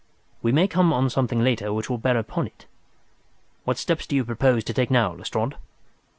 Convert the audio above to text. We may come on something later which will bear upon it. What steps do you propose to take now, Lestrade?"